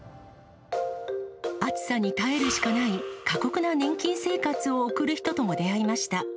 暑さに耐えるしかない過酷な年金生活を送る人とも出会いました。